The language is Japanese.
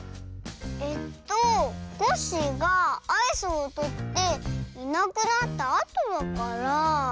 えっとコッシーがアイスをとっていなくなったあとだから。